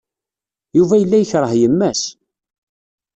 Yuba yella yekṛeh yemma-s.